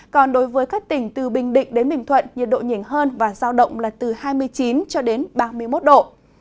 còn đối với các tỉnh từ bình định đến bình thuận nhiệt độ nhỉnh hơn và giao động là từ hai mươi chín ba mươi một độ